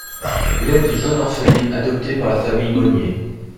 Hélène est une jeune orpheline adoptée par la famille Monnier.